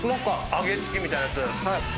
揚げチキンみたいなやつ。